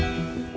apa itu jessy